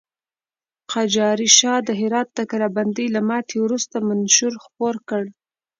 قاجاري شاه د هرات د کلابندۍ له ماتې وروسته منشور خپور کړ.